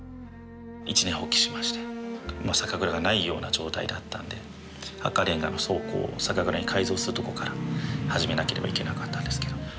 一念発起しまして酒蔵がないような状態だったので赤れんがの倉庫を酒蔵に改造するところから始めなければいけなかったんですけど。